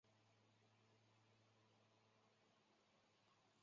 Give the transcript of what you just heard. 此后他进入哲蚌寺洛色林扎仓学习佛法。